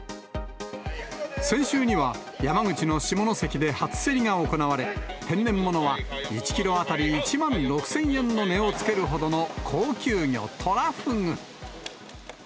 先週には、山口の下関で初競りが行われ、天然物は１キロ当たり１万６０００円の値をつけるほどの高級魚、トラフグ。